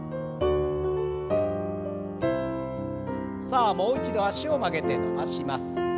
さあもう一度脚を曲げて伸ばします。